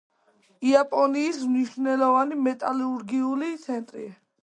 იაპონიის მნიშვნელოვანი მეტალურგიული ცენტრი.